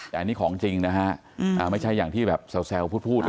แต่อันนี้ของจริงนะฮะไม่ใช่อย่างที่แบบแซวพูด